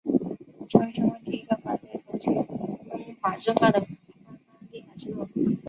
成为全国第一个反对同性婚姻法制化的官方立法机构。